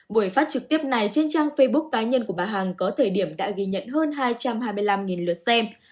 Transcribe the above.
buổi phát trực tiếp này trên trang facebook cá nhân của bà hằng có thời điểm đã ghi nhận hơn hai trăm hai mươi năm lượt xem